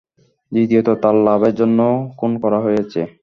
দ্বিতীয়ত, তার লাভের জন্য খুন করা হয়েছে।